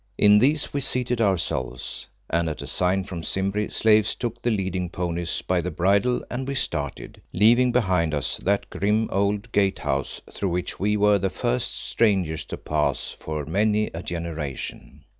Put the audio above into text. In these we seated ourselves, and at a sign from Simbri slaves took the leading ponies by the bridle and we started, leaving behind us that grim old Gate house through which we were the first strangers to pass for many a generation.